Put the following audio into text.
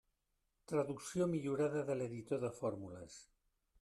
Traducció millorada de l'editor de fórmules.